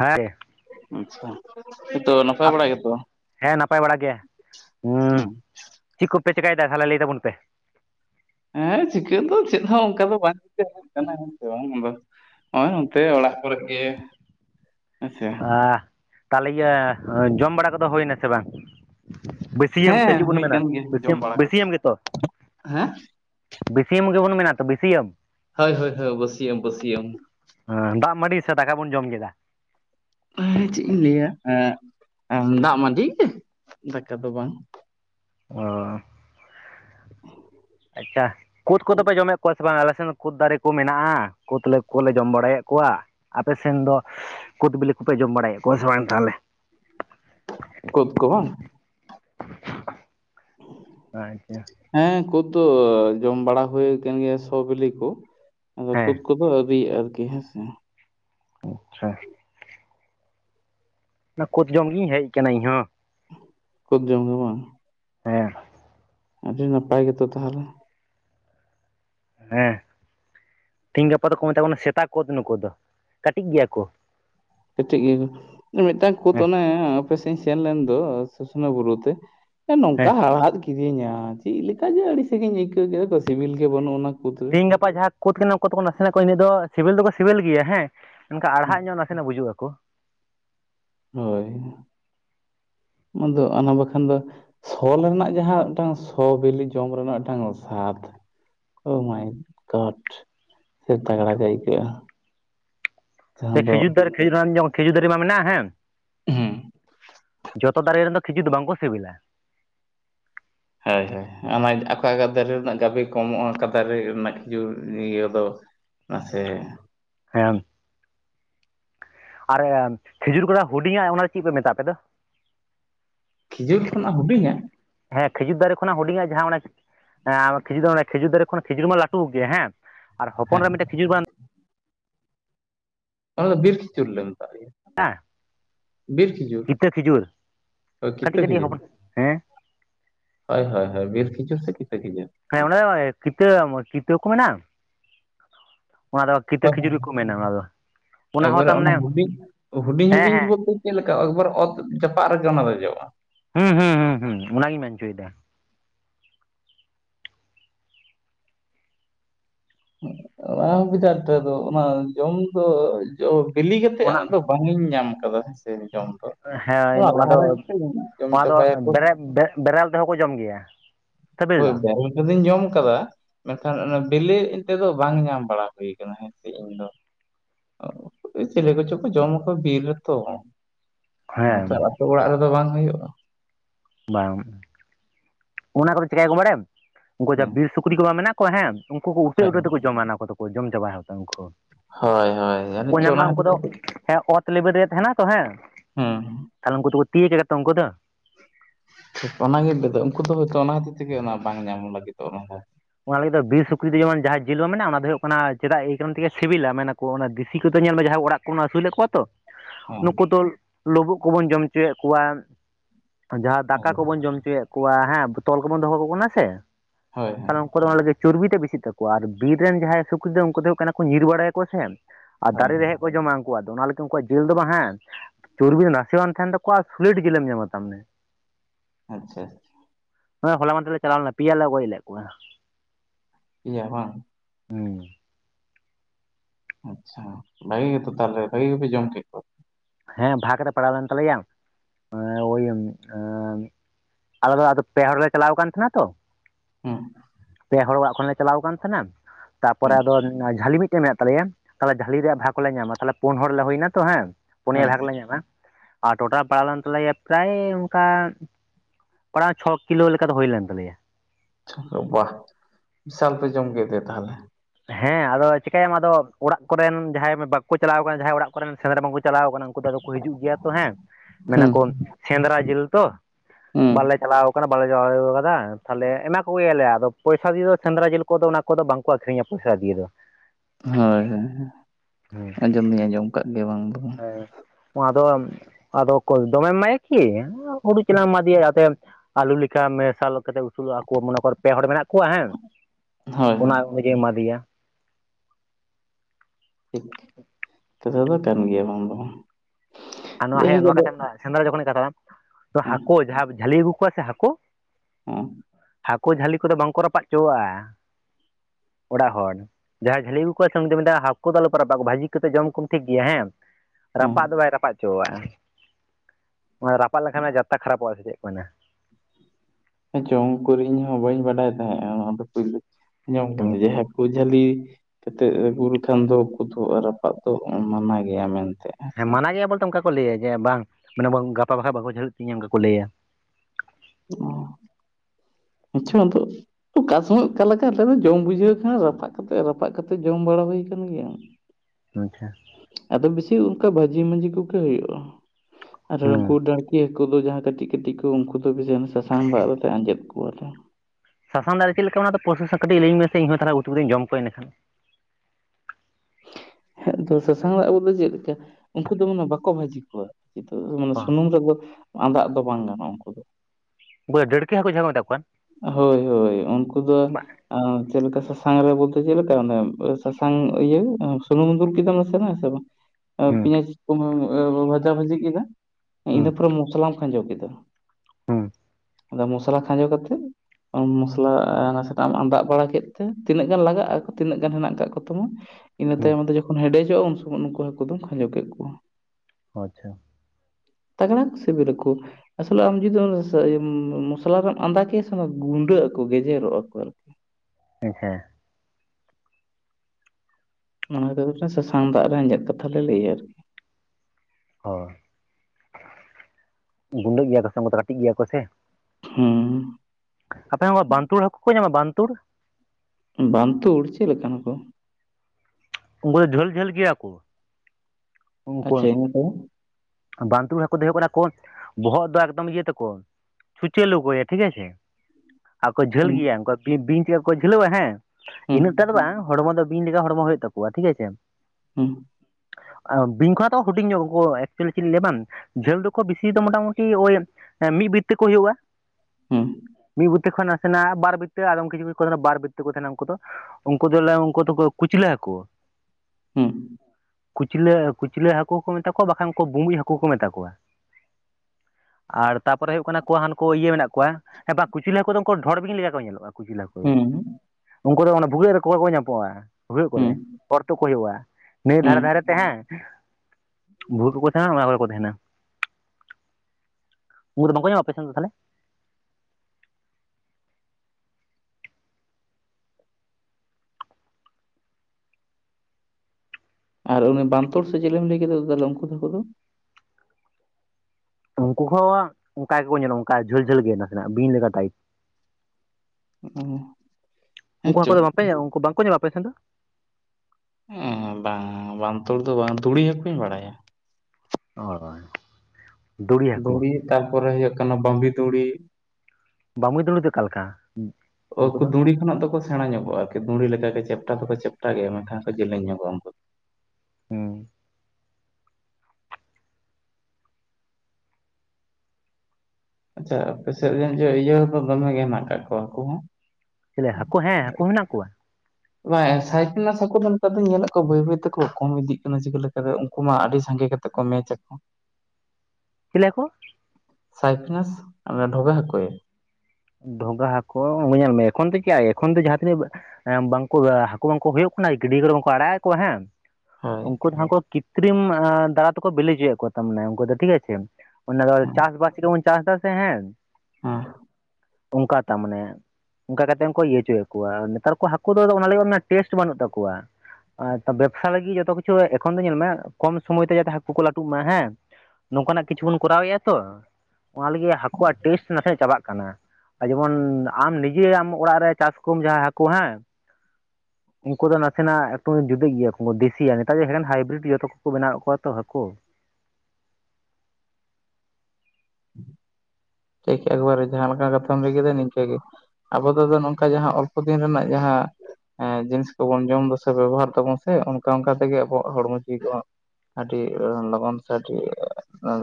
ᱦᱮᱸ ᱟᱪᱪᱷᱟ ᱛᱚ ᱱᱟᱯᱟᱭ ᱵᱟᱲᱟ ᱜᱮᱛᱚ ᱦᱮᱸ ᱱᱟᱯᱟᱭ ᱵᱟᱲᱟ ᱜᱮ ᱦᱩᱸ ᱪᱮᱫ ᱠᱚᱯᱮ ᱪᱮᱠᱟᱭᱫᱟ ᱛᱟᱦᱚᱞᱮ ᱞᱟᱹᱭ ᱛᱟᱵᱚᱱᱯᱮ ᱦᱮᱸ ᱪᱤᱠᱟᱹ ᱫᱚ ᱪᱮᱫ ᱦᱚᱸ ᱚᱱᱠᱟ ᱫᱚ ᱵᱟᱝ ᱪᱤᱠᱟᱹ ᱠᱟᱱᱟ ᱦᱮᱸᱥᱮ ᱵᱟᱝ ᱫᱚ ᱱᱚᱜᱼᱚᱭ ᱱᱚᱱᱛᱮ ᱚᱲᱟᱜ ᱠᱚᱨᱮ ᱜᱮ ᱦᱮᱸᱥᱮ ᱛᱟᱦᱚᱞᱮ ᱤᱭᱟᱹ ᱡᱚᱢ ᱵᱟᱲᱟ ᱠᱚᱫᱚ ᱦᱩᱭᱱᱟ ᱥᱮ ᱵᱟᱝ ᱵᱟᱹᱥᱤᱭᱟᱹᱢ ᱥᱮ ᱦᱮᱸ ᱪᱮᱫ ᱵᱚᱱ ᱦᱩᱭ ᱢᱮᱱᱟ ᱠᱟᱱ ᱜᱮᱭᱟ ᱡᱚᱢ ᱵᱟᱲᱟ ᱠᱟᱛᱮ ᱵᱟᱹᱥᱤᱭᱟᱹᱢ ᱜᱮᱛᱚ ᱦᱮᱸ ᱵᱟᱹᱥᱤᱭᱟᱹᱢ ᱜᱮᱵᱚᱱ ᱢᱮᱱᱟ ᱛᱚ ᱵᱟᱹᱥᱤᱭᱟᱹᱢ ᱦᱳᱭ ᱦᱳᱭ ᱦᱳᱭ ᱵᱟᱹᱥᱭᱟᱹᱢ ᱵᱟᱹᱥᱭᱟᱹᱢ ᱦᱮᱸ ᱫᱟᱜ ᱢᱟᱹᱰᱤ ᱥᱮ ᱫᱟᱠᱟ ᱵᱚᱱ ᱡᱚᱢ ᱠᱮᱫᱟ ᱟᱨ ᱪᱮᱫ ᱤᱧ ᱞᱟᱹᱭᱟ ᱫᱟᱜ ᱢᱟᱹᱰᱤᱻ ᱫᱟᱠᱟ ᱫᱚ ᱵᱟᱝ ᱚᱸᱻ ᱟᱪᱪᱷᱟ ᱠᱩᱫᱽ ᱠᱚᱫᱚ ᱯᱮ ᱡᱚᱢᱮᱫ ᱠᱚᱣᱟ ᱥᱮ ᱵᱟᱝ ᱟᱞᱮ ᱥᱮᱱ ᱫᱚ ᱠᱩᱫᱽ ᱫᱟᱨᱮ ᱠᱚ ᱢᱮᱱᱟᱜᱼᱟ ᱠᱩᱫᱽ ᱠᱚᱞᱮ ᱡᱚᱢ ᱵᱟᱲᱟᱭᱮᱫ ᱠᱚᱣᱟ ᱟᱯᱮ ᱥᱮᱱ ᱫᱚ ᱠᱩᱫ ᱵᱤᱞᱤ ᱠᱚᱯᱮ ᱡᱚᱢ ᱵᱟᱲᱟᱭᱮᱫ ᱠᱚᱣᱟ ᱥᱮ ᱵᱟᱝ ᱛᱟᱦᱚᱞᱮ ᱠᱩᱫᱽ ᱠᱚ ᱵᱟᱝ ᱟᱪᱪᱷᱟ ᱦᱮᱸ ᱠᱩᱫᱽ ᱫᱚ ᱡᱚᱢ ᱵᱟᱲᱟ ᱦᱩᱭ ᱟᱠᱟᱱ ᱜᱮᱭᱟ ᱥᱚ ᱵᱤᱞᱤ ᱠᱚ ᱟᱫᱚ ᱦᱮᱸ ᱠᱩᱫᱽ ᱠᱚᱫᱚ ᱟᱹᱣᱨᱤᱭᱟᱜᱼᱟ ᱟᱨᱠᱤ ᱦᱮᱸᱥᱮ ᱟᱪᱪᱷᱟ ᱚᱱᱟ ᱠᱩᱫᱽ ᱡᱚᱢ ᱜᱤᱧ ᱦᱮᱡ ᱟᱠᱟᱱᱟ ᱤᱧ ᱦᱚᱸ ᱠᱩᱫᱽ ᱡᱚᱢ ᱜᱮ ᱵᱟᱝ ᱦᱮᱸ ᱟᱹᱰᱤ ᱱᱟᱯᱟᱭ ᱜᱮᱛᱚ ᱛᱟᱦᱚᱞᱮ ᱦᱮᱸ ᱛᱮᱦᱤᱧ ᱜᱟᱯᱟ ᱫᱚᱠᱚ ᱢᱮᱛᱟ ᱠᱚ ᱠᱟᱱᱟ ᱥᱮᱛᱟ ᱠᱩᱫᱽ ᱱᱩᱠᱩ ᱫᱚ ᱠᱟᱹᱴᱤᱡ ᱜᱮᱭᱟ ᱠᱚ ᱠᱟᱹᱴᱤᱡ ᱜᱮ ᱢᱤᱫᱴᱟᱹᱝ ᱠᱩᱫᱽ ᱦᱮᱸ ᱚᱱᱮ ᱟᱯᱮ ᱥᱮᱫ ᱤᱧ ᱥᱮᱱ ᱞᱮᱱ ᱫᱚ ᱥᱩᱥᱱᱟᱹ ᱵᱩᱨᱩ ᱛᱮ ᱱᱚᱝᱠᱟ ᱦᱮᱸ ᱦᱟᱲᱦᱟᱫ ᱠᱤᱫᱤᱧᱟ ᱪᱮᱫ ᱞᱮᱠᱟ ᱡᱮ ᱟᱹᱲᱤᱥ ᱜᱤᱧ ᱟᱹᱭᱠᱟᱹᱣ ᱠᱮᱫᱟ ᱠᱟᱹᱡ ᱥᱤᱵᱤᱞ ᱜᱮ ᱵᱟᱹᱱᱩᱜ ᱟᱱᱟᱝ ᱛᱮᱦᱤᱧ ᱜᱟᱯᱟ ᱡᱟᱦᱟᱸ ᱠᱳᱫᱽ ᱠᱟᱱᱟ ᱩᱱᱠᱩ ᱫᱚᱠᱚ ᱱᱟᱥᱮᱱᱟᱜ [unintelligible] ᱤᱱᱟᱹ ᱫᱚ ᱥᱤᱵᱤᱞ ᱫᱚᱠᱚ ᱥᱤᱵᱤᱞ ᱜᱮᱭᱟ ᱦᱮᱸ ᱢᱮᱱᱠᱟᱷᱟᱱ ᱟᱲᱦᱟᱜ ᱧᱚᱜ ᱱᱟᱥᱮᱱᱟᱜ ᱵᱩᱡᱩᱜ ᱟᱠᱚ ᱦᱳᱭ [unintelligible] ᱚᱱᱟ ᱵᱟᱠᱷᱟᱱ ᱫᱚ ᱥᱚᱞ ᱨᱮᱱᱟᱜ ᱡᱟᱦᱟᱸ ᱢᱤᱫᱴᱟᱹᱝ ᱥᱚ ᱵᱤᱞᱤ ᱡᱚᱢ ᱨᱮᱱᱟᱜ ᱢᱤᱫᱴᱟᱹᱝ ᱥᱟᱫᱽ ᱚ ᱢᱟᱭ ᱜᱚᱴ ᱥᱮ ᱛᱟᱜᱽᱲᱟ ᱜᱮ ᱟᱹᱭᱠᱟᱹᱜᱼᱟ ᱡᱟᱦᱟᱸ ᱥᱮ ᱫᱚ ᱠᱷᱤᱡᱩᱨ ᱫᱟᱨᱮ ᱠᱷᱤᱡᱩᱨ [unintelligible] ᱠᱷᱤᱡᱩᱨ ᱫᱟᱨᱮ ᱢᱟ ᱢᱮᱱᱟᱜᱼᱟ ᱦᱮᱸ ᱡᱚᱛᱚ ᱫᱟᱨᱮ ᱨᱮᱱ ᱫᱚ ᱠᱷᱤᱡᱩᱨ ᱫᱚ ᱵᱟᱝ ᱠᱚ ᱥᱤᱵᱤᱞᱟ ᱦᱚᱭ ᱦᱚᱭ ᱚᱱᱟ ᱚᱠᱟ [unintelligible] ᱫᱟᱨᱮ ᱨᱮᱱᱟᱜ ᱜᱟᱟᱹᱵᱤ ᱠᱚᱢᱚᱜᱼᱟ ᱚᱠᱟ ᱫᱟᱨᱮ ᱨᱮᱱᱟᱜ ᱠᱷᱤᱡᱩᱨ ᱤᱭᱟᱹ ᱫᱚ [unintelligible] ᱥᱮ ᱦᱮᱸ ᱟᱨ ᱠᱷᱤᱡᱩᱨ ᱠᱚᱫᱚ ᱦᱩᱰᱤᱧᱟᱜ ᱚᱱᱟ ᱫᱚ ᱪᱮᱫ ᱯᱮ ᱢᱮᱛᱟᱜᱼᱟ ᱟᱯᱮ ᱫᱚ ᱠᱷᱤᱡᱩᱨ ᱠᱷᱚᱱᱟᱜ ᱦᱩᱰᱤᱧᱟᱜ ᱦᱮᱸ ᱠᱷᱤᱡᱩᱨ ᱫᱟᱨᱮ ᱠᱷᱚᱱᱟᱜ ᱦᱩᱰᱤᱧᱟᱜ ᱡᱟᱦᱟᱸ ᱚᱱᱟ ᱦᱮᱸ [unintelligible] ᱠᱷᱮᱡᱩᱨ ᱫᱟᱨᱮ ᱠᱷᱚᱱ ᱠᱷᱤᱡᱩᱨ ᱢᱟ ᱞᱟᱹᱴᱩ ᱜᱮᱭᱟ ᱦᱮᱸ ᱟᱨ ᱦᱚᱯᱚᱱ ᱦᱮᱸ ᱨᱮ ᱢᱤᱫᱴᱮᱱ ᱠᱷᱤᱡᱩᱨ ᱢᱟ ᱚᱱᱟ ᱫᱚ ᱵᱤᱨ ᱠᱷᱤᱡᱩᱨ ᱞᱮ ᱢᱮᱛᱟᱜ ᱮᱭᱟ ᱦᱮᱸ ᱠᱤᱛᱟᱹ ᱠᱷᱤᱡᱩᱨ ᱠᱟᱹᱴᱤᱡ ᱠᱟᱹᱴᱤᱡ ᱦᱚᱯᱚᱱ ᱦᱮᱸ ᱦᱚᱭ ᱦᱚᱭ ᱦᱚᱭ ᱵᱤᱨ ᱠᱷᱤᱡᱩᱨ ᱥᱮ ᱠᱤᱛᱟᱹ ᱠᱷᱤᱡᱩᱨ ᱦᱮᱸ ᱚᱱᱮ [unintelligible] ᱠᱤᱛᱟᱹ [unintelligible] ᱠᱤᱛᱟᱹ ᱠᱚ ᱢᱮᱱᱟᱜᱼᱟ ᱚᱱᱟ ᱫᱚ ᱠᱤᱛᱟᱹ ᱦᱚᱭ ᱠᱷᱤᱡᱩᱨᱤ ᱦᱚᱭ ᱠᱚ ᱢᱮᱱᱟ ᱚᱱᱟ ᱫᱚ ᱦᱚᱸ ᱮᱠᱵᱟᱨᱮ ᱚᱱᱟ ᱛᱟᱨᱢᱟᱱᱮ ᱦᱩᱰᱤᱧ ᱦᱩᱰᱤᱧ ᱦᱮᱸ ᱦᱩᱰᱤᱧ ᱦᱮᱸ [unintelligible] ᱪᱮᱫ ᱞᱮᱠᱟ ᱮᱠᱵᱚᱨ ᱚᱛ ᱡᱟᱯᱟᱜ ᱨᱮᱜᱮ ᱚᱱᱟ ᱫᱚ ᱡᱚᱜᱼᱟ ᱦᱩᱸ ᱦᱩᱸ ᱦᱩᱸ ᱦᱩᱸ ᱚᱱᱟ ᱜᱤᱧ ᱢᱮᱱ ᱦᱚᱪᱚᱭ ᱮᱫᱟ ᱚᱱᱟ [unintelligible] ᱨᱮ ᱫᱚ ᱚᱱᱟ ᱡᱚᱢ ᱫᱚ ᱵᱤᱞᱤ ᱠᱟᱛᱮᱜ ᱚᱱᱟ ᱫᱚ ᱵᱟᱝ ᱤᱧ ᱧᱟᱢ ᱟᱠᱟᱫᱟ ᱦᱮᱸ ᱥᱮ ᱡᱚᱢ ᱫᱚ ᱦᱮᱸ ᱚᱱᱟ ᱞᱟᱦᱟ ᱫᱚ ᱨᱮ ᱡᱚᱢ ᱚᱱᱟ ᱫᱚ ᱪᱟᱵᱟᱭᱟᱠᱚ ᱵᱮᱨᱮ [unintelligible] ᱵᱮᱨᱮᱞ ᱛᱮᱦᱚᱸ ᱠᱚ ᱡᱚᱢ ᱜᱮᱭᱟ ᱥᱤᱵᱤᱞ ᱦᱚᱭ ᱫᱚ ᱵᱮᱨᱮᱞ ᱛᱮᱫᱚᱧ ᱡᱚᱢ ᱟᱠᱟᱫᱟ ᱢᱮᱱᱠᱷᱟᱱ ᱚᱱᱟ ᱵᱤᱞᱤ ᱛᱮ ᱫᱚ ᱵᱟᱝ ᱧᱟᱢ ᱵᱟᱲᱟ ᱦᱩᱭ ᱠᱟᱱᱟ ᱦᱮᱸ ᱥᱮ ᱤᱧ ᱫᱚ ᱪᱤᱞᱤ ᱠᱚᱪᱚ ᱠᱚ ᱡᱚᱢᱟᱠᱚ ᱵᱤᱨ ᱨᱮ ᱛᱚ ᱱᱚᱛᱮ ᱦᱮᱸ ᱟᱹᱛᱩ ᱚᱲᱟᱜ ᱨᱮᱫᱚ ᱵᱟᱝ ᱦᱩᱭᱩᱜᱼᱟ ᱵᱟᱝ ᱚᱱᱟ ᱠᱚᱫᱚ ᱪᱤᱠᱟᱹ ᱠᱚ ᱵᱟᱲᱮᱭᱟᱢ ᱩᱱᱠᱩ ᱦᱮᱸ, ᱡᱟᱦᱟᱸ ᱵᱤᱨ ᱥᱩᱠᱨᱤ ᱠᱚᱢᱟ ᱢᱮᱱᱟᱜ ᱠᱚᱣᱟ ᱦᱮᱸ ᱩᱱᱠᱩ ᱠᱚ ᱩᱴᱟᱹ ᱦᱳᱭ᱾ ᱩᱴᱟᱹ ᱛᱮᱠᱚ ᱡᱚᱢᱟ ᱚᱱᱟ ᱠᱚᱫᱚ ᱡᱚᱢ ᱪᱟᱵᱟᱭ [unintelligible] ᱦᱚᱭ ᱦᱚᱭ ᱡᱟᱹᱱᱤᱡ ᱪᱚ ᱚᱱᱟ [unintelligible] ᱦᱮᱸ ᱚᱛ ᱞᱮᱵᱮᱞ ᱨᱮᱜᱮ ᱛᱟᱦᱮᱸᱱᱟ ᱛᱚ ᱦᱮᱸ ᱦᱩᱸ ᱦᱩᱸ ᱛᱟᱦᱚᱞᱮ ᱩᱱᱠᱩ ᱫᱚᱠᱚ ᱛᱤᱭ [unintelligible] ᱩᱱᱠᱩ ᱫᱚ᱾ ᱴᱷᱤᱠ ᱚᱱᱟᱜᱤᱧ ᱞᱟᱹᱭᱫᱟ ᱩᱱᱠᱩ ᱫᱚ ᱦᱭᱛᱚ ᱚᱱᱟ ᱠᱷᱟᱹᱤᱨ ᱛᱮᱜᱮ ᱚᱱᱟ ᱵᱟᱝ ᱧᱟᱢ ᱞᱟᱹᱜᱤᱫᱚᱜ ᱚᱱᱟ ᱫᱚ ᱚᱱᱟ ᱞᱟᱹᱜᱤᱫ ᱫᱚ ᱵᱤᱨ ᱥᱩᱠᱨᱤ ᱫᱚ ᱡᱮᱢᱚᱱ ᱡᱟᱦᱟᱸ ᱡᱤᱞ ᱢᱮᱱᱟᱜᱼᱟ ᱚᱱᱟ ᱫᱚ ᱦᱩᱭᱩᱜ ᱠᱟᱱᱟ ᱪᱮᱫᱟᱜ ᱮ ᱠᱟᱨᱚᱱ ᱛᱮᱜᱮ ᱥᱤᱵᱤᱞᱟ ᱢᱮᱱᱟ ᱠᱚ ᱚᱱᱟ ᱫᱮᱥᱤ ᱠᱚᱫᱚ ᱧᱮᱞ ᱢᱮ ᱡᱟᱦᱟᱸ ᱠᱚ ᱚᱲᱟᱜ ᱵᱚᱱ ᱟᱹᱥᱩᱞᱮᱫ ᱠᱚᱣᱟ ᱛᱚ ᱦᱮᱸ ᱱᱩᱠᱩ ᱫᱚ ᱞᱩᱵᱩᱜ ᱠᱚᱵᱚᱱ ᱡᱚᱢ ᱦᱚᱪᱚᱭ ᱮᱫ ᱠᱚᱣᱟ᱾ ᱡᱟᱦᱟᱸ ᱫᱟᱠᱟ ᱦᱳᱭ ᱠᱚᱵᱚᱱ ᱡᱚᱢ ᱦᱚᱪᱚᱭᱮᱫ ᱠᱚᱣᱟ ᱦᱮᱸ ᱛᱚᱞ ᱠᱚᱵᱚᱱ ᱫᱚᱦᱚ ᱠᱚ ᱠᱟᱱᱟ ᱥᱮ᱾ ᱦᱳᱭ ᱛᱟᱦᱚᱞᱮ ᱩᱱᱠᱩ ᱫᱚ ᱚᱱᱟ ᱞᱟᱹᱜᱤᱫ ᱪᱚᱨᱵᱤ ᱛᱮ ᱵᱤᱥᱤᱜ ᱛᱟᱠᱚᱣᱟ ᱟᱨ ᱵᱤᱨ ᱨᱮᱱ ᱡᱟᱦᱟᱸᱭ ᱥᱩᱠᱨᱤ ᱫᱚ ᱩᱱᱠᱩ ᱫᱚ ᱦᱩᱭᱩᱜ ᱠᱟᱱᱟ ᱠᱚ ᱧᱤᱨ ᱵᱟᱲᱟᱣᱟ ᱥᱮ᱾ ᱟᱨ ᱦᱳᱭ ᱫᱟᱨᱮ ᱨᱮᱦᱮᱫ ᱠᱚ ᱡᱚᱢᱟ ᱩᱱᱠᱩᱣᱟᱜ ᱚᱱᱟ ᱞᱟᱹᱜᱤᱫ ᱩᱱᱠᱩᱣᱟᱜ ᱡᱤᱞ ᱫᱚ ᱵᱟᱝ ᱦᱟᱸ ᱪᱚᱨᱵᱤ ᱱᱟᱥᱮ ᱵᱟᱝ ᱛᱟᱦᱮᱱ ᱛᱟᱠᱚᱣᱟ ᱥᱩᱞᱮᱴ ᱡᱤᱞ ᱮᱢ ᱧᱟᱢᱟ ᱛᱟᱨ ᱢᱟᱱᱮ᱾ ᱟᱪᱪᱷᱟ᱾ ᱦᱚᱸ ᱦᱚᱞᱟ ᱢᱟᱸᱦᱫᱮᱨ ᱞᱮ ᱪᱟᱞᱟᱣ ᱞᱮᱱᱟ ᱯᱮᱭᱟᱞᱮ ᱜᱚᱡ ᱞᱮᱫ ᱠᱚᱣᱟ᱾ ᱤᱭᱟᱜ ᱵᱟᱝ ᱦᱩᱸ ᱟᱪᱪᱷᱟ ᱵᱷᱟᱜᱤ ᱜᱮᱛᱚ ᱛᱟᱦᱚᱞᱮ ᱵᱷᱟᱜᱤ ᱜᱮᱯᱮ ᱡᱚᱢ ᱠᱮᱫ ᱠᱚᱣᱟ᱾ ᱦᱮᱸ ᱵᱷᱟᱜᱽ ᱨᱮ ᱯᱟᱲᱟᱣ ᱞᱮᱱ ᱛᱟᱞᱮᱭᱟ ᱳᱭ ᱮ ᱮᱸ ᱟᱞᱮ ᱫᱚ ᱟᱫᱚ ᱯᱮ ᱦᱚᱲᱞᱮ ᱪᱟᱞᱟᱣ ᱟᱠᱟᱱ ᱛᱟᱦᱮᱸᱱᱟ ᱛᱚ᱾ ᱦᱮᱸ ᱯᱮ ᱦᱚᱲ ᱚᱲᱟᱜ ᱠᱷᱚᱱᱞᱮ ᱪᱟᱞᱟᱣ ᱠᱟᱱ ᱛᱟᱦᱮᱱᱟ᱾ ᱛᱟᱯᱚᱨᱮ ᱦᱮᱸ ᱟᱫᱚ ᱡᱷᱟᱹᱞᱤ ᱢᱤᱫᱴᱮᱡ ᱢᱮᱱᱟᱜ ᱛᱟᱞᱮᱭᱟ ᱛᱟᱦᱚᱞᱮ ᱡᱷᱟᱹᱞᱤ ᱨᱮᱭᱟᱜ ᱵᱷᱟᱜᱽ ᱦᱚᱞᱮ ᱧᱟᱢᱟ ᱛᱟᱦᱚᱞᱮ ᱯᱩᱱ ᱦᱚᱲ ᱞᱮ ᱦᱩᱭᱮᱱᱟ ᱛᱚ ᱦᱮᱸ ᱯᱩᱱᱭᱟᱹ ᱦᱮᱸ ᱵᱷᱟᱜ ᱞᱮ ᱧᱟᱢᱟ ᱟᱨ ᱴᱚᱴᱟᱞ ᱯᱟᱲᱟᱣ ᱞᱮᱱ ᱛᱟᱞᱮᱭᱟ ᱯᱨᱟᱭ ᱚᱱᱠᱟ ᱯᱟᱲᱟ ᱪᱷᱚ ᱠᱤᱞᱳ ᱞᱮᱠᱟ ᱫᱚ ᱦᱩᱭ ᱞᱮᱱ ᱛᱟᱞᱮᱭᱟ᱾ ᱟᱨᱮ ᱵᱟᱼᱚᱜ ᱵᱤᱥᱟᱞ ᱯᱮ ᱡᱚᱢ ᱠᱮᱫ ᱫᱚ ᱛᱟᱦᱚᱞᱮ᱾ ᱦᱮᱸ ᱟᱫᱚ ᱪᱮᱠᱟᱹᱭᱟᱢ ᱟᱫᱚ ᱚᱲᱟᱜ ᱠᱚᱨᱮᱱ ᱡᱟᱦᱟᱸᱭ ᱵᱟᱠᱩ ᱪᱟᱞᱟᱣ ᱠᱟᱱᱟ ᱡᱟᱦᱟᱸᱭ ᱚᱲᱟᱜ ᱠᱚᱨᱮᱱ ᱥᱮᱸᱫᱽᱨᱟ ᱵᱟᱝᱠᱚ ᱪᱟᱞᱟᱣ ᱠᱟᱱᱟ᱾ ᱩᱱᱠᱩ ᱫᱚ ᱟᱫᱚ ᱠᱚ ᱦᱤᱡᱩᱜ ᱜᱮᱭᱟ ᱛᱚ ᱦᱮᱸ ᱦᱩᱸ ᱢᱮᱱᱟᱠᱚ ᱥᱮᱸᱫᱽᱨᱟ ᱡᱤᱞ ᱛᱚ ᱦᱩᱸ ᱵᱟᱞᱮ ᱪᱟᱞᱟᱣ ᱠᱟᱱᱟ ᱵᱟᱞᱮ [unintelligible] ᱠᱟᱫᱟ ᱛᱷᱟᱞᱮ ᱮᱢᱟ ᱠᱚ ᱜᱮᱭᱟᱞᱮ ᱟᱫᱚ ᱯᱚᱭᱥᱟ ᱫᱤᱭᱮ ᱫᱚ ᱥᱮᱸᱫᱽᱨᱟ ᱡᱤᱞ ᱠᱚᱫᱚ ᱚᱱᱟ ᱠᱚᱫᱚ ᱵᱟᱝᱠᱚ ᱟᱹᱠᱷᱨᱤᱧᱼᱟ ᱯᱚᱭᱥᱟ ᱫᱤᱭᱮ ᱫᱚ ᱦᱳᱭ ᱦᱳᱭ ᱟᱸᱡᱚᱢ ᱫᱩᱧ ᱟᱸᱡᱚᱢ ᱟᱠᱟᱫ ᱜᱮᱭᱟ ᱵᱟᱝ ᱫᱚ ᱵᱟᱝ᱾ ᱩᱣᱟ ᱫᱚᱢ ᱟᱫᱚ ᱠᱳ ᱫᱚᱢᱮᱢ ᱮᱢᱟᱭᱟ ᱠᱤ᱾ ᱦᱩᱰᱩᱜ ᱪᱟᱞᱟᱜ ᱮᱢᱟ ᱫᱮᱭᱟ ᱡᱟᱛᱮ ᱟᱹᱞᱩ ᱞᱮᱠᱟ ᱢᱮᱥᱟᱞ ᱠᱟᱛᱮᱫ ᱩᱛᱩ ᱫᱚ ᱟᱠᱩ ᱢᱚᱱᱮ ᱠᱚᱨ ᱯᱮ ᱦᱚᱲ ᱢᱮᱱᱟᱜ ᱠᱚᱣᱟ ᱦᱮᱸ ᱦᱳᱭ ᱦᱳᱭ ᱚᱱᱟ ᱚᱡᱮ ᱮᱢᱟ ᱫᱤᱭᱟ᱾ ᱴᱷᱤᱠ ᱠᱟᱛᱷᱟ ᱫᱚ ᱠᱟᱱ ᱜᱮᱭᱟ ᱵᱟᱝ ᱫᱚ ᱵᱟᱝ᱾ ᱟᱨ ᱱᱚᱣᱟ ᱦᱮᱸ ᱡᱟᱭᱦᱳᱠ ᱱᱚᱣᱟ ᱟᱫᱚ ᱠᱟᱛᱷᱟ ᱥᱮᱸᱫᱽᱨᱟ ᱡᱚᱠᱷᱚᱱ ᱠᱟᱛᱷᱟ ᱨᱮ ᱛᱚ ᱦᱮᱸ ᱦᱟᱠᱳ ᱡᱟᱦᱟᱸ ᱡᱷᱟᱹᱞᱤ ᱟᱹᱜᱩ ᱠᱚᱣᱟ ᱥᱮ ᱦᱟᱠᱳ ᱦᱮᱸ ᱦᱟᱹᱠᱩ ᱡᱷᱟᱹᱞᱤ ᱠᱚᱫᱚ ᱵᱟᱝᱠᱚ ᱨᱟᱯᱟᱜ ᱦᱚᱪᱚᱣᱟᱜᱼᱟ ᱚᱲᱟᱜ ᱦᱚᱲ ᱡᱟᱦᱟᱸᱭ ᱡᱟᱹᱞᱤᱜ ᱟᱜᱩ ᱠᱚᱣᱟ ᱥᱮ ᱩᱱᱤ ᱫᱚ ᱢᱮᱱᱫᱟ ᱦᱟᱹᱠᱩ ᱫᱚ ᱟᱞᱚ ᱯᱮ ᱨᱟᱯᱟᱜ ᱠᱚᱣᱟ ᱵᱷᱟᱹᱡᱤ ᱠᱟᱛᱮ ᱡᱚᱢ ᱠᱚᱢ ᱴᱷᱤᱠ ᱜᱮᱭᱟ ᱦᱮᱸ᱾ ᱦᱮᱸ ᱨᱟᱯᱟᱜ ᱫᱚ ᱵᱟᱭ ᱨᱟᱯᱟᱜ ᱪᱚᱣᱟᱜ ᱚᱱᱟ ᱨᱟᱯᱟᱜ ᱞᱮᱠᱷᱟᱱᱮ ᱡᱟᱛᱛᱟ ᱠᱷᱟᱨᱟᱯ ᱚᱜᱼᱟ ᱥᱮᱪᱮᱫ ᱠᱚ ᱢᱮᱱ-ᱟ᱾ ᱦᱮᱸ ᱪᱚᱝ ᱠᱚᱨ ᱤᱧ ᱦᱚᱸ ᱵᱟᱹᱧ ᱵᱟᱰᱟᱭ ᱛᱟᱦᱮᱸᱜᱼᱟ ᱚᱱᱟ ᱫᱚ ᱯᱳᱭᱞᱩ ᱟᱸᱡᱚᱢ ᱠᱮᱫᱤᱧ ᱡᱮ ᱦᱟᱠᱩ ᱡᱷᱟᱹᱞᱤ ᱠᱟᱛᱮᱜ ᱟᱜᱩ ᱞᱮᱠᱷᱟᱱ ᱫᱚ ᱩᱱᱠᱩ ᱫᱚ ᱨᱟᱯᱟᱜ ᱫᱚ ᱢᱟᱱᱟ ᱜᱮᱭᱟ ᱢᱮᱱᱛᱮ᱾ ᱦᱮᱸᱥᱮ ᱦᱮᱸ ᱢᱟᱱᱟ ᱜᱮᱭᱟ ᱵᱚᱞᱛᱮ ᱚᱱᱠᱟ ᱠᱚ ᱞᱟᱹᱭᱟ ᱡᱮ ᱵᱟᱝ ᱢᱟᱱᱮ ᱜᱟᱯᱟ ᱵᱟᱠᱷᱟᱱ ᱵᱟᱠᱚ ᱡᱷᱟᱞᱤᱡ ᱛᱤᱧᱟᱹ ᱚᱝᱠᱟ ᱠᱚ ᱞᱟᱹᱭᱟ᱾ [unintelligible] ᱚᱠᱟ ᱥᱚᱢᱚᱭ ᱚᱠᱟ ᱞᱮᱠᱟ ᱟᱞᱮ ᱫᱚ ᱡᱚᱢ ᱵᱩᱡᱷᱟᱹᱣ ᱠᱷᱟᱱ ᱨᱟᱯᱟᱜ ᱠᱟᱛᱮ ᱨᱟᱯᱟᱜ ᱠᱟᱛᱮ ᱡᱚᱢ ᱵᱟᱲᱟ ᱦᱩᱭ ᱠᱟᱱ ᱜᱮᱭᱟ᱾ [inaudible] ᱟᱪᱪᱷᱟ᱾ ᱟᱫᱚ ᱵᱮᱥᱤ ᱚᱱᱠᱟ ᱵᱷᱟᱹᱡᱤ ᱢᱟᱹᱡᱷᱤ ᱠᱚᱜᱮ ᱦᱩᱭᱩᱜᱼᱟ ᱟᱨ ᱩᱱᱠᱩ ᱦᱩᱸ ᱰᱟᱲᱠᱤ ᱩᱱᱠᱩ ᱫᱚ ᱡᱟᱦᱟᱸ ᱠᱟᱹᱴᱤᱡ ᱠᱟᱹᱴᱤᱡ ᱠᱩ ᱩᱱᱠᱩ ᱫᱚ ᱵᱮᱥᱤ ᱥᱟᱥᱟᱝ ᱫᱟᱜ ᱨᱮᱞᱮ ᱟᱸᱡᱮᱫ ᱠᱚᱣᱟᱞᱮ ᱾ ᱥᱟᱥᱟᱝ ᱫᱟᱨᱮ ᱪᱮᱜ ᱞᱮᱠᱟ ᱚᱱᱟ ᱫᱚ ᱯᱨᱚᱥᱮᱥ ᱴᱟ ᱠᱟᱹᱴᱤᱡ ᱞᱮᱭ ᱤᱧ ᱢᱮ ᱥᱮ ᱤᱧ ᱛᱟᱦᱚᱞᱮ ᱩᱛᱩ ᱠᱟᱛᱤᱧ ᱡᱚᱢ ᱠᱚᱣᱟ ᱤᱱᱟᱹ ᱠᱷᱟᱱ᱾ ᱦᱮᱸᱜ ᱫᱚ ᱥᱟᱥᱟᱝ ᱫᱟᱜ ᱵᱚᱞᱛᱮ ᱪᱮᱜ ᱞᱮᱠᱟ ᱩᱱᱠᱩ ᱫᱚ ᱢᱟᱱᱮ ᱵᱟᱠᱚ ᱵᱷᱟᱹᱡᱤ ᱠᱚᱣᱟ᱾ ᱱᱤᱛᱚᱜ ᱫᱚ ᱢᱟᱱᱮ ᱥᱩᱱᱩᱢ ᱨᱮᱫᱚ ᱟᱸᱫᱟᱜ ᱫᱚ ᱵᱟᱝ ᱜᱟᱱᱚᱜᱼᱟ ᱩᱱᱠᱩ ᱫᱚ᱾ ᱩᱱᱠᱩ ᱫᱚ ᱰᱟᱲᱠᱟᱹ ᱦᱟᱠᱳ ᱡᱟᱦᱟᱸ ᱠᱚ ᱢᱮᱛᱟ ᱠᱚ ᱠᱟᱱ᱾ ᱦᱳᱭ ᱦᱳᱭ ᱩᱱᱠᱩ ᱫᱚ ᱪᱮᱞ ᱠᱟ ᱥᱟᱥᱟᱝ ᱨᱮ ᱵᱚᱞᱛᱮ ᱪᱮᱞ ᱠᱟ ᱚᱱᱮ ᱥᱟᱥᱟᱝ ᱤᱭᱟᱹ ᱥᱩᱱᱩᱢ ᱫᱩᱞ ᱠᱮᱫᱟᱢ ᱱᱟᱥᱮ ᱱᱟᱥ ᱦᱩᱸ ᱯᱤᱸᱭᱟᱡ ᱠᱚ [unintelligible] ᱵᱷᱟᱡᱟ ᱵᱷᱟᱹᱡᱤ ᱠᱮᱫᱟ ᱦᱩᱸ ᱤᱱᱟᱹ ᱯᱚᱨᱮ ᱢᱚᱥᱞᱟᱢ ᱠᱷᱟᱸᱡᱚ ᱠᱮᱫᱟ᱾ ᱦᱩᱸ᱾ ᱟᱫᱚ ᱢᱚᱥᱞᱟ ᱠᱷᱟᱸᱡᱚ ᱠᱟᱛᱮᱫ ᱢᱚᱥᱞᱟ ᱱᱟᱥᱮ ᱱᱟᱜ ᱮᱢ ᱟᱸᱫᱟᱜ ᱵᱟᱲᱟ ᱠᱮᱫ ᱛᱮ ᱛᱤᱱᱟᱹᱜ ᱜᱟᱱ ᱞᱟᱜᱟᱜᱼᱟ ᱛᱤᱱᱟᱹᱜ ᱜᱟᱱ ᱦᱮᱱᱟᱜ ᱠᱟᱜ ᱠᱚᱛᱟᱢᱟ ᱤᱱᱟᱹ ᱦᱩᱸ ᱛᱟᱭᱚᱢ ᱛᱮ ᱡᱚᱠᱷᱚᱱ ᱦᱮᱸᱰᱮᱡᱚᱜᱼᱟ ᱩᱱ ᱥᱚᱢᱚᱭ ᱩᱱᱠᱩ ᱦᱟᱹᱠᱩ ᱫᱚᱢ ᱠᱷᱟᱸᱡᱚ ᱠᱮᱫ ᱠᱚᱣᱟ᱾ ᱚ ᱟᱪᱪᱷᱟ᱾ ᱛᱟᱜᱽᱲᱟ ᱠᱚ ᱥᱤᱵᱤ ᱟᱠᱚ ᱟᱥᱚᱞᱮ ᱟᱢ ᱡᱩᱫᱤ ᱢᱚᱥᱞᱟ ᱨᱮᱢ ᱟᱸᱫᱟᱜᱽ ᱮᱭᱟ ᱥᱮ ᱜᱩᱸᱰᱟᱹᱜ ᱟᱠᱚ ᱜᱮᱡᱮᱨᱚᱜ ᱟᱠᱚ ᱟᱨᱠᱤ [unintelligible] ᱚᱱᱟ [unintelligible] ᱥᱟᱥᱟᱝ ᱫᱟᱜ ᱨᱮ ᱟᱸᱡᱮᱫ ᱠᱟᱛᱷᱟ ᱞᱮ ᱞᱟᱹᱭᱟ ᱟᱨᱠᱤ ᱦᱳᱭ ᱜᱩᱸᱰᱟᱹᱜ ᱜᱮᱭᱟ ᱠᱚ [unintelligible] ᱠᱟᱹᱴᱤᱡ ᱜᱮᱭᱟ ᱠᱚ ᱥᱮ᱾ ᱦᱩᱸ᱾ ᱟᱯᱮ ᱦᱚᱸ ᱵᱟᱱᱛᱩᱲ ᱦᱟᱹᱠᱩ ᱠᱚ ᱧᱟᱢᱟ ᱵᱟᱱᱛᱩᱲ? ᱵᱟᱱᱛᱩᱲ ᱪᱮᱫ ᱞᱮᱠᱟ ᱱᱟᱠᱚ? ᱩᱱᱠᱩ ᱫᱚ ᱡᱷᱟᱹᱞ ᱡᱷᱟᱹᱞ ᱜᱮᱭᱟ ᱠᱚ᱾ ᱩᱱᱠᱩ ᱟᱪᱪᱷᱟ [unintelligible] ᱤᱱᱟᱹ ᱛᱟᱭᱚᱢ ᱵᱟᱱᱛᱩᱲ ᱦᱟᱹᱠᱩ ᱫᱚ ᱦᱩᱭᱩᱜ ᱠᱟᱱᱟ ᱠᱚ ᱵᱚᱦᱚᱜ ᱫᱚ ᱮᱠᱫᱚᱢ ᱤᱭᱟᱹ ᱛᱟᱠᱚ ᱯᱷᱩᱪᱚ ᱞᱚᱠᱚᱭ ᱴᱷᱤᱠ ᱟᱪᱷᱮ᱾ ᱟᱨ ᱠᱚ ᱡᱷᱟᱹᱞ ᱦᱩᱸ ᱜᱮᱭᱟ ᱠᱚ ᱩᱱᱠᱭᱞᱩ ᱵᱤᱧ ᱪᱮᱫ ᱞᱮᱠᱟ ᱠᱚ ᱡᱷᱞᱟᱹᱜ-ᱟ ᱦᱮᱸ ᱦᱩᱸ ᱤᱱᱟᱹᱜ ᱫᱚ ᱵᱟᱝ ᱦᱚᱲᱢᱚ ᱫᱚ ᱵᱤᱧ ᱞᱮᱠᱟ ᱦᱚᱲᱢᱚ ᱦᱩᱭᱩᱜ ᱛᱟᱠᱚᱣᱟ ᱴᱷᱤᱠ ᱟᱪᱷᱮ ᱾ ᱦᱮᱸ᱾ ᱵᱤᱧ ᱠᱷᱚᱱᱟᱜ ᱛᱚ ᱦᱩᱴᱤᱧ ᱧᱚᱜᱚᱜ-ᱟᱠᱚ ᱮᱠᱪᱩᱭᱮᱞᱤ ᱪᱮᱫ ᱞᱤᱧ ᱞᱟᱹᱭᱟ ᱵᱟᱝ ᱡᱷᱟᱹᱞ ᱫᱚᱠᱚ ᱵᱮᱥᱤ ᱫᱚ ᱢᱚᱴᱟᱢᱩᱴᱤ ᱳᱭ ᱦᱮᱸ ᱢᱤᱫ ᱵᱤᱛᱟᱹ ᱠᱚ ᱦᱩᱭᱩᱜᱼᱟ᱾ ᱦᱮᱸ᱾ ᱢᱤᱫ ᱵᱤᱛᱟᱹ ᱠᱷᱚᱱ ᱱᱟᱥᱮᱱᱟᱜ ᱵᱟᱨ ᱵᱤᱛᱟᱹ ᱟᱫᱚᱢ ᱠᱤᱪᱷᱩ ᱠᱚ ᱛᱟᱦᱮᱱᱟ ᱵᱟᱨ ᱵᱤᱛᱟᱹ ᱠᱚ ᱛᱟᱦᱮᱱᱟ ᱩᱱᱠᱩ ᱫᱚ᱾ ᱩᱱᱠᱩ ᱫᱚ ᱞᱮ ᱩᱱᱠᱩ ᱫᱚ ᱠᱚ ᱠᱩᱪᱞᱟᱹ ᱦᱟᱠᱩ᱾ ᱦᱮᱸ᱾ ᱠᱩᱪᱞᱟᱹ [unintelligible] ᱦᱟᱹᱠᱩ ᱦᱚᱸ ᱠᱚ ᱢᱮᱛᱟ ᱠᱚᱣᱟ ᱵᱟᱠᱷᱟᱱ ᱩᱱᱠᱩ ᱵᱩᱵᱩᱡ ᱦᱟᱹᱠᱩ ᱠᱚ ᱢᱮᱛᱟ ᱠᱚᱣᱟ᱾ [unintelligible] ᱟᱨ ᱛᱟᱯᱚᱨᱮ ᱦᱩᱭᱩᱜ ᱠᱟᱱᱟ ᱠᱚ ᱦᱟᱱᱠᱩ ᱤᱭᱟᱹ ᱢᱮᱱᱟᱜ ᱠᱚᱣᱟ ᱦᱮᱸ ᱵᱟᱝ ᱠᱩᱪᱞᱟᱹ ᱦᱟᱠᱳ ᱫᱚ ᱩᱱᱠᱩ ᱰᱷᱚᱸᱲ ᱵᱤᱧ ᱞᱮᱠᱟ ᱠᱚ ᱧᱮᱞᱚᱜᱼᱟ᱾ ᱠᱩᱡᱞᱟ ᱦᱟᱹᱠᱩ ᱦᱩᱸ [unintelligible] ᱩᱱᱠᱩ ᱫᱚ ᱚᱱᱟ ᱵᱷᱩᱜᱟᱹᱜ ᱨᱮᱠᱚ ᱧᱟᱢᱚᱜᱼᱟ ᱵᱷᱩᱜᱟᱹᱜ ᱠᱚᱨᱮ ᱦᱩᱸ ᱾ ᱚᱨ ᱛᱳᱫ ᱠᱚ ᱦᱩᱭᱩᱜᱼᱟ [unintelligible] ᱱᱟᱹᱭ ᱦᱩᱸ ᱫᱷᱟᱨᱮ ᱫᱷᱟᱨᱮ ᱦᱮᱸ [unintelligible] ᱵᱷᱩᱜᱟᱹᱜ ᱨᱮᱠᱚ ᱛᱟᱦᱮᱱᱟ [unintelligible] [unintelligible] ᱠᱚ ᱛᱟᱦᱮᱱᱟ᱾ ᱩᱱᱠᱩ ᱫᱚ ᱵᱟᱠᱚ ᱧᱟᱢᱚᱜ-ᱟ ᱟᱯᱮ ᱥᱮᱱ ᱫᱚ ᱛᱟᱦᱚᱞᱮ? ᱟᱨ ᱩᱱᱤ ᱵᱟᱱᱛᱳᱲ ᱥᱮ ᱪᱮᱞᱮᱢ ᱞᱟᱹᱭ ᱠᱮᱫᱮ ᱫᱚ ᱛᱟᱦᱚᱞᱮ ᱩᱱᱠᱩ ᱦᱟᱹᱠᱳ ᱫᱚ ᱩᱱᱠᱩ ᱦᱚᱸ ᱚᱱᱠᱟ ᱜᱮᱠᱚ ᱧᱮᱞᱚᱜᱼᱟ ᱚᱱᱠᱟ ᱡᱷᱟᱹᱞ ᱡᱷᱟᱹᱞ ᱜᱮ ᱱᱟᱥᱮᱱᱟᱜ ᱵᱤᱧ ᱞᱮᱠᱟ ᱴᱟᱭᱤᱯ᱾ [unintelligible] ᱦᱮᱸ ᱩᱱᱠᱩ ᱪᱚ ᱦᱟᱠᱳ ᱫᱚ [unintelligible] [unintelligible] ᱵᱟᱠᱚ ᱧᱮᱞᱚᱜ-ᱟ ᱟᱯᱮ ᱥᱮᱱ ᱫᱚ? ᱦᱮᱸ ᱵᱟᱝ ᱵᱟᱢᱛᱳᱲ ᱫᱚ ᱵᱟᱝ ᱫᱩᱸᱲᱤ ᱦᱟᱹᱠᱳᱧ ᱵᱟᱲᱟᱭᱟ᱾ [unintelligible] ᱦᱟᱹᱠᱩ ᱫᱩᱲᱤ ᱛᱟᱨᱯᱚᱨᱮ ᱦᱩᱭᱩᱜ ᱠᱟᱱᱟ ᱵᱟᱺᱵᱤ ᱫᱩᱲᱤ ᱵᱟᱺᱵᱤ ᱫᱩᱲᱩ ᱫᱚ ᱚᱠᱟ ᱞᱮᱠᱟ [unintelligible] ᱩᱱᱠᱩ ᱫᱚ ᱫᱷᱩᱲᱤ ᱩᱱᱠᱩ ᱠᱷᱚᱱᱟᱜ ᱫᱚ ᱠᱚ ᱥᱮᱬᱟ ᱧᱚᱜᱚᱜᱼᱟ ᱟᱨᱠᱤ ᱫᱩᱲᱤ ᱞᱮᱠᱟ ᱜᱮ ᱪᱮᱯᱴᱟ ᱫᱚ ᱠᱚ ᱪᱮᱯᱴᱟ ᱜᱮᱭᱟ ᱢᱮᱱᱠᱷᱟᱱ ᱠᱚ ᱡᱮᱞᱮᱧᱚᱜᱼᱟ ᱩᱱᱠᱩ ᱫᱚ᱾ ᱦᱮᱸ ᱟᱪᱪᱷᱟ ᱟᱯᱮ ᱥᱮᱫ ᱡᱟᱱᱤᱡ ᱡᱮ ᱤᱭᱟᱹ ᱦᱚᱸ ᱫᱚᱢᱮ ᱜᱮ ᱦᱮᱱᱟᱜ ᱟᱠᱟᱝ ᱠᱚᱣᱟ ᱩᱱᱠᱩ ᱦᱚᱸ ᱪᱮᱞᱮ ᱦᱟᱹᱠᱳ ᱦᱮᱸ ᱦᱟᱹᱠᱳ ᱢᱮᱱᱟᱜ ᱠᱚᱣᱟ᱾ ᱥᱟᱭᱯᱤᱱᱟᱥ ᱦᱟᱠᱳ ᱫᱚ ᱱᱮᱛᱟᱨ ᱫᱚᱧ ᱧᱮᱞᱮᱫ ᱠᱚᱣᱟ ᱵᱟᱹᱭ ᱵᱟᱹᱭ ᱛᱮ ᱠᱚ ᱠᱚᱢ ᱤᱫᱤᱜ ᱠᱟᱱᱟ ᱪᱤᱠᱟᱹ ᱞᱮᱠᱟᱛᱮ ᱩᱱᱠᱩ ᱢᱟ ᱟᱹᱰᱤ ᱥᱟᱸᱜᱮ ᱠᱟᱛᱮ ᱛᱮᱠᱚ ᱢᱮᱪ ᱟᱠᱚ ᱪᱮᱞᱮ ᱦᱟᱠᱳ? ᱥᱟᱭᱯᱷᱤᱱᱟᱥ ᱢᱟᱱᱮ ᱰᱷᱚᱵᱮ ᱦᱟᱠᱳ ᱭᱟ᱾ ᱰᱷᱚᱜᱟ ᱦᱟᱹᱠᱳ ᱧᱮᱞ ᱢᱮ ᱮᱠᱷᱚᱱ ᱫᱮᱠᱤ ᱟᱭ ᱮᱠᱷᱚᱱ ᱫᱚ ᱡᱟᱦᱟᱸ ᱛᱤᱱᱟᱹᱜ ᱵᱟᱝᱠᱚ ᱦᱟᱹᱠᱩ ᱵᱟᱝᱠᱚ ᱦᱩᱭᱩᱜ ᱠᱟᱱᱟ ᱜᱟᱰᱭᱟ ᱠᱚᱨᱮ ᱵᱟᱝᱠᱚ ᱟᱲᱟᱜ ᱜᱮᱫ ᱠᱚᱣᱟ ᱦᱮᱸ ᱦᱳᱭ ᱩᱱᱠᱩ ᱫᱚ ᱦᱚᱸᱠᱚ ᱠᱤᱛᱨᱤᱢ ᱫᱟᱨᱟᱭ ᱛᱮ ᱠᱚ ᱵᱤᱞᱤ ᱦᱚᱚᱭᱮᱫ ᱠᱚᱣᱟ ᱛᱟᱨ ᱢᱟᱱᱮ ᱩᱱᱠᱩ ᱫᱚ ᱴᱷᱤᱠ ᱟᱪᱷᱮ ᱚᱱᱟ ᱫᱚ ᱦᱮᱸ ᱪᱟᱥ ᱵᱟᱥ ᱵᱟᱥ ᱪᱮᱜᱠᱟ ᱪᱟᱥ ᱫᱟ ᱥᱮ ᱦᱮᱸ ᱦᱮᱸ ᱚᱱᱠᱟ ᱛᱟ ᱢᱟᱱᱮ ᱚᱱᱠᱟ ᱠᱟᱛᱮᱫ ᱩᱱ ᱠᱚ ᱤᱭᱟᱹ ᱦᱚᱪᱚᱭᱮᱫ ᱠᱚᱣᱟ ᱟᱨ ᱱᱮᱛᱟᱨ ᱠᱚ ᱦᱟᱹᱠᱩ ᱫᱚ ᱚᱱᱟ ᱞᱟᱹᱜᱤᱫ ᱴᱮᱥᱴ ᱵᱟᱹᱱᱩᱜ ᱛᱟᱠᱚᱣᱟ ᱟᱨ ᱵᱮᱵᱽᱥᱟ ᱞᱟᱹᱜᱤᱫ ᱡᱚᱛᱚ ᱠᱤᱪᱷᱩ ᱮᱠᱷᱚᱱ ᱫᱚ ᱧᱮᱞ ᱢᱮ ᱠᱚᱢ ᱥᱚᱢᱚᱭ ᱛᱮ ᱡᱟᱛᱮ ᱦᱟᱹᱠᱩ ᱠᱚ ᱞᱟᱹᱴᱩᱜ ᱢᱟ ᱦᱮᱸ ᱱᱚᱝᱠᱟ ᱱᱟᱜ ᱠᱤᱪᱷᱩ ᱵᱚᱱ ᱠᱚᱨᱟᱣᱮᱫᱼᱟ ᱛᱚ ᱚᱱᱟ ᱞᱟᱹᱜᱤᱫ ᱦᱟᱹᱠᱩᱣᱟᱜ ᱴᱮᱥᱴ ᱱᱟᱥᱮ ᱪᱟᱵᱟᱜ ᱠᱟᱱᱟ ᱡᱮᱢᱚᱱ ᱟᱢ ᱱᱤᱡᱮ ᱟᱢ ᱚᱲᱟᱜ ᱨᱮ ᱪᱟᱥ ᱠᱚᱢ ᱡᱟᱦᱟᱸ ᱦᱟᱹᱠᱩ ᱦᱮᱸ [inaudible] ᱩᱱᱠᱩ ᱫᱚ ᱱᱟᱥᱮᱱᱟᱜ ᱮᱠᱴᱩ ᱡᱩᱫᱟᱹᱜ ᱜᱮᱭᱟ ᱠᱚ ᱫᱤᱥᱤ ᱱᱮᱛᱟᱨ ᱡᱮ ᱮᱠᱷᱮᱱ ᱦᱟᱭᱵᱨᱤᱰ ᱡᱚᱛᱚ ᱠᱚᱠᱚ ᱵᱮᱱᱟᱣᱮᱫ ᱠᱚᱣᱟ ᱛᱚ ᱦᱟᱹᱠᱩ ᱴᱷᱤᱠ ᱮᱠᱵᱟᱨᱮ ᱡᱟᱦᱟ ᱞᱠᱟᱢ ᱠᱟᱛᱚᱢ ᱞᱮᱭ ᱠᱮᱫᱟ ᱱᱤᱝᱠᱟᱹᱜᱤ ᱟᱵᱚ ᱠᱚᱫᱚ ᱱᱚᱝᱠᱟ ᱡᱟᱦᱟᱸ ᱚᱞᱯᱚ ᱫᱤᱱ ᱨᱮᱱᱟᱜ ᱡᱟᱦᱟᱸ ᱡᱤᱱᱤᱥ ᱠᱚᱵᱚᱱ ᱡᱚᱢ ᱫᱚ ᱥᱮ ᱵᱮᱵᱚᱦᱟᱨ ᱫᱟᱵᱚᱱ ᱥᱮ ᱚᱱᱠᱟ ᱚᱱᱠᱟ ᱛᱮ ᱜᱮ ᱟᱵᱚᱣᱟᱜ ᱦᱚᱲᱢᱚ ᱡᱤᱣᱤ ᱠᱚ ᱟᱹᱰᱤ ᱞᱚᱜᱚᱱ ᱥᱮ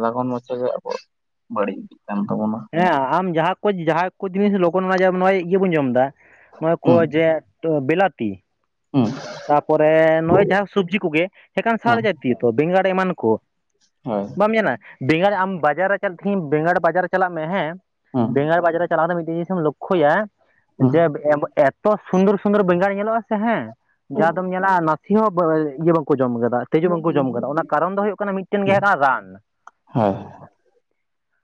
ᱞᱚᱜᱚᱱ ᱢᱟᱪᱷᱮ ᱟᱵᱚᱣᱟᱜ ᱵᱟᱹᱲᱤᱡ ᱤᱫᱤᱜ ᱠᱟᱱ ᱛᱟᱵᱚᱱᱟ ᱦᱮᱸ ᱟᱢ ᱡᱟᱦᱟᱸ ᱠᱚ ᱡᱟᱦᱟᱸ ᱠᱚ ᱡᱤᱱᱤᱥ ᱞᱚᱜᱚᱱ ᱢᱟᱡᱟ ᱡᱮᱢᱚᱱ ᱚᱜᱚᱭ ᱤᱭᱟᱹ ᱵᱚᱱ ᱡᱚᱢ ᱮᱟ ᱱᱚᱜᱚᱭ ᱠᱚ ᱦᱩᱸ ᱡ [unintelligible] ᱮ ᱛᱚ ᱵᱮᱞᱟᱛᱤ ᱦᱩᱸ ᱛᱟᱯᱚᱨᱮ ᱱᱚᱜᱼᱚᱭ ᱡᱟᱦᱟᱸ ᱥᱚᱵᱡᱤ ᱠᱚ ᱜᱮ ᱮᱠᱷᱮᱱ ᱥᱟᱨ ᱦᱩᱸ ᱡᱟᱛᱤᱭᱟᱹ ᱛᱚ ᱵᱮᱸᱜᱟᱲ ᱮᱢᱟᱱ ᱠᱚ ᱦᱳᱭ ᱵᱟᱢ ᱧᱮᱞᱟ ᱵᱮᱸᱜᱟᱲ ᱟᱢ ᱵᱟᱡᱟᱨ ᱨᱮ ᱪᱟᱞᱟᱜ ᱛᱤᱦᱤᱧ ᱵᱮᱸᱜᱟᱲ ᱵᱟᱡᱟᱨ ᱨᱮ ᱪᱟᱞᱟᱜ ᱢᱮ ᱦᱮᱸ ᱦᱩᱸ ᱵᱮᱸᱜᱟᱲ ᱵᱟᱡᱟᱨ ᱨᱮ ᱪᱟᱞᱟᱣ ᱠᱟᱛᱮ ᱢᱤᱫᱴᱤ ᱡᱤᱱᱤᱥᱮᱢ ᱞᱚᱠᱠᱷᱚᱭᱟ ᱦᱩᱸ ᱡᱮ ᱛᱚ ᱥᱩᱱᱫᱚᱨ ᱥᱩᱱᱫᱚᱨ ᱵᱮᱸᱜᱟᱲ ᱧᱮᱞᱚᱜ ᱟ ᱥᱮ ᱦᱮᱸ ᱡᱟ ᱫᱚᱢ ᱧᱮᱞᱟ ᱱᱟᱥᱮ ᱦᱚᱸ ᱤᱭᱟᱹ ᱵᱟᱝᱠᱚ ᱡᱚᱢ ᱟᱠᱟᱫᱟ ᱛᱤᱡᱩ ᱵᱟᱝᱠᱚ ᱡᱚᱢ ᱠᱟᱫᱟ ᱚᱱᱟ ᱠᱟᱨᱚᱱ ᱫᱚ ᱦᱩᱭᱩᱜ ᱠᱟᱱᱟ ᱢᱤᱫᱴᱮᱱ ᱜᱮ ᱦᱩᱸ ᱦᱩᱭᱩᱜ ᱠᱟᱱᱟ ᱨᱟᱱ ᱦᱳᱭ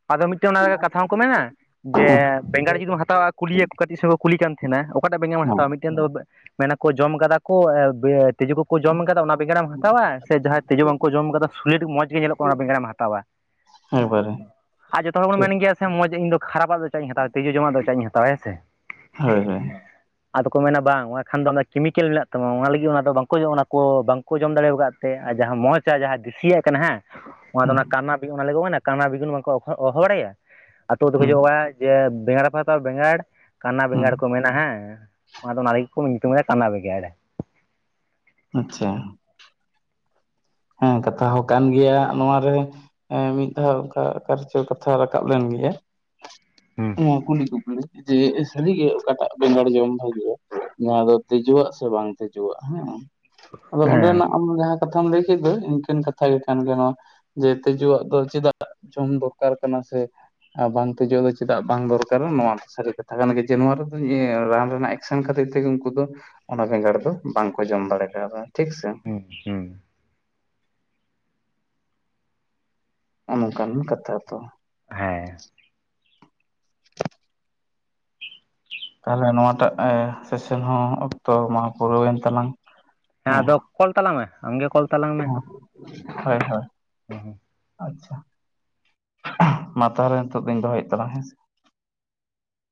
ᱟᱫᱚ ᱢᱤᱫᱴᱮᱱ ᱚᱱᱟ ᱞᱮᱠᱟ ᱠᱟᱛᱷᱟ ᱦᱚᱸᱠᱚ ᱢᱮᱱᱟ ᱡᱮ ᱦᱩᱸ ᱵᱮᱸᱜᱟᱲ ᱡᱩᱤᱢ ᱦᱟᱛᱟᱣᱟ ᱠᱩᱞᱤᱭᱟ ᱠᱟᱹᱴᱤᱡ ᱥᱮ ᱠᱚ ᱠᱩᱞᱤ ᱠᱟᱱ ᱛᱟᱦᱮᱱᱟ ᱚᱠᱟᱴᱟᱜ ᱵᱮᱸᱜᱟᱲ ᱵᱚᱱ ᱦᱩᱸ ᱦᱟᱛᱟᱣᱟ ᱢᱤᱫᱴᱮᱱ ᱫᱚ ᱢᱮᱱᱟᱠᱚ ᱡᱚᱢ ᱠᱟᱫᱟ ᱠᱚ ᱛᱤᱡᱩ ᱠᱚᱠᱚ ᱡᱚᱢ ᱟᱠᱟᱫᱟ ᱚᱱᱟ ᱵᱮᱸᱜᱟᱲᱮᱢ ᱦᱟᱛᱟᱣᱟ ᱥᱮ ᱡᱟᱦᱟᱸᱭ ᱛᱤᱡᱩ ᱵᱟᱝᱠᱚ ᱡᱚᱢ ᱟᱠᱟᱫᱟ ᱥᱩᱞᱤᱴ ᱢᱚᱡᱽ ᱜᱮ ᱧᱮᱞᱚᱜ ᱠᱟᱱᱟ ᱚᱱᱟ ᱵᱮᱸᱜᱟᱲᱮᱢ ᱦᱟᱛᱟᱣᱟ ᱦᱳᱭ ᱚᱦᱟᱨᱮ [unintelligible] ᱟᱨ ᱡᱚᱛᱚ ᱦᱚᱲ ᱵᱚᱱ ᱢᱮᱱ ᱜᱮᱭᱟ ᱾ ᱦᱮᱸ ᱢᱚᱡᱽ ᱤᱧ ᱫᱚ ᱠᱷᱟᱨᱟᱯᱟᱜ ᱫᱚ ᱪᱟᱜ ᱤᱧ ᱦᱟᱛᱟᱣᱟ ᱛᱤᱡᱩ ᱡᱚᱢᱟᱜ ᱫᱚ ᱪᱟᱜ ᱤᱧ ᱦᱟᱛᱟᱣᱟ ᱦᱮᱸ ᱥᱮ ᱦᱳᱭ ᱦᱳᱭ ᱟᱫᱚ ᱠᱚ ᱢᱮᱱᱟ ᱵᱟᱝ ᱚᱱᱟᱠᱷᱟᱱ ᱫᱚ ᱠᱮᱢᱤᱠᱮᱞ ᱢᱮᱱᱟᱜ ᱛᱟᱢᱟ ᱚᱱᱟ ᱞᱟᱹᱜᱤᱫ ᱚᱱᱟ ᱫᱚ ᱵᱟᱝᱠᱚ ᱚᱱᱟ ᱠᱚ ᱵᱟᱝᱠᱚ ᱡᱚᱢ ᱫᱟᱲᱮ ᱟᱠᱟᱫ ᱛᱮ ᱟᱨ ᱡᱟᱦᱟᱸ ᱢᱚᱡᱽ ᱟᱨ ᱡᱟᱦᱟᱸ ᱫᱤᱥᱤᱭᱟᱜ ᱠᱟᱱᱟ ᱦᱮᱸ ᱚᱱᱟᱫᱚ ᱦᱩᱸ ᱚᱱᱟ ᱠᱟᱱᱟ ᱚᱱᱟ ᱞᱟᱹᱜᱤᱫᱱᱟ ᱠᱟᱱᱟ ᱵᱤᱜᱩᱱ ᱵᱟᱝᱠᱚ ᱦᱚᱦᱚ ᱵᱟᱲᱟᱭᱟ ᱟᱹᱛᱩ ᱛᱮᱠᱚ ᱦᱩᱸ ᱦᱤᱡᱩᱜᱼᱟ ᱡᱮ ᱵᱮᱸᱜᱟᱲ ᱯᱮ ᱦᱟᱛᱟᱣᱟ ᱵᱮᱸᱜᱟᱲ ᱠᱟᱱᱟ ᱦᱩᱸ ᱵᱮᱸᱜᱟᱲ ᱠᱚ ᱢᱮᱱᱟ ᱦᱮᱸ ᱚᱱᱟᱫᱚ ᱚᱱᱟ ᱞᱟᱹᱜᱤᱫ ᱠᱚ ᱧᱩᱛᱩᱢ ᱮᱫᱟ ᱠᱟᱱᱟ ᱵᱮᱸᱜᱟᱲ ᱟᱪᱷᱟ ᱾ ᱦᱮᱸ ᱠᱟᱛᱷᱟ ᱦᱚᱸ ᱠᱟᱱ ᱜᱮᱭᱟ ᱱᱚᱣᱟ ᱨᱮᱸᱻ ᱾ ᱦᱮᱸ ᱢᱤᱫ ᱫᱷᱟᱣ ᱚᱱᱠᱟ ᱚᱠᱟᱨᱮᱪᱚ ᱠᱟᱛᱷᱟ ᱨᱟᱠᱟᱵ ᱞᱮᱱ ᱜᱮᱭᱟ ᱦᱩᱸ ᱚ ᱠᱩᱞᱤ ᱠᱩᱵᱤᱱ ᱡᱮ ᱥᱟᱹᱨᱤᱜᱮ ᱚᱠᱟᱴᱟᱜ ᱵᱮᱸᱜᱟᱲ ᱡᱚᱢ ᱵᱷᱟᱜᱤᱭᱟ ᱱᱚᱣᱟ ᱫᱚ ᱛᱤᱡᱩᱣᱟᱜ ᱥᱮ ᱵᱟᱝ ᱛᱤᱡᱩᱣᱟᱜ ᱦᱮᱸ ᱟᱫᱚ ᱦᱮᱸ ᱚᱸᱰᱮᱱᱟᱜ ᱟᱢ ᱡᱟᱦᱟᱸ ᱠᱟᱛᱷᱟᱢ ᱞᱟᱹᱭ ᱤᱱᱠᱟᱹᱱ ᱠᱟᱛᱷᱟ ᱜᱮ ᱠᱟᱱ ᱜᱮᱭᱟ ᱱᱚᱣᱟ ᱡᱮ ᱛᱤᱡᱩᱣᱟᱜ ᱫᱚ ᱪᱮᱫᱟᱜ ᱡᱚᱢ ᱫᱚᱨᱠᱟᱨ ᱠᱟᱱᱟ ᱥᱮ ᱟᱨ ᱵᱟᱝ ᱛᱮᱡᱚᱜ ᱫᱚ ᱪᱮᱫᱟᱜ ᱵᱟᱝ ᱫᱚᱨᱠᱟᱨᱟ ᱱᱚᱣᱟ ᱫᱚ ᱥᱟᱹᱨᱤ ᱠᱟᱛᱷᱟ ᱠᱟᱱ ᱜᱮ ᱡᱮ ᱱᱚᱣᱟ ᱨᱮᱫᱚ ᱨᱟᱱ ᱨᱮᱱᱟᱜ ᱥᱮᱱ ᱠᱷᱟᱹᱛᱤᱨ ᱛᱮᱜᱮ ᱩᱱᱠᱩ ᱫᱚ ᱚᱱᱟ ᱵᱮᱸᱜᱟᱲ ᱫᱚ ᱵᱟᱝᱠᱚ ᱡᱚᱢ ᱫᱟᱲᱮ ᱠᱟᱣᱫᱟ ᱴᱷᱤᱠ ᱥᱮ ᱦᱮᱸ ᱦᱮᱸ [unintelligible] ᱱᱚᱝᱠᱟᱱ ᱠᱟᱛᱷᱟ ᱛᱚ ᱦᱮᱸ ᱛᱟᱦᱚᱞᱮ ᱱᱚᱣᱟᱴᱟᱜ ᱥᱮᱥᱮᱱ ᱦᱚᱸ ᱚᱠᱛᱚ ᱢᱟ ᱯᱩᱨᱟᱹᱣᱮᱱ ᱛᱟᱞᱟᱝ ᱦᱮᱸ ᱟᱫᱚ ᱠᱚᱞ ᱛᱟᱞᱟᱝ ᱢᱮ ᱟᱢᱜᱮ ᱠᱚᱞ ᱦᱚᱸ ᱦᱳᱭ ᱦᱳᱭ ᱚᱦᱚ ᱟᱪᱪᱷᱟ ᱢᱟ ᱛᱟᱦᱚᱞᱮ ᱱᱤᱛᱚᱜ ᱫᱚᱧ ᱫᱚᱦᱚᱭᱮᱫ ᱛᱟᱞᱟᱧ ᱦᱮᱸᱥᱮ